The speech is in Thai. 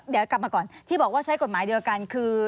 เดี๋ยวกลับมาก่อนที่บอกว่าใช้กฎหมายเดียวกันคือ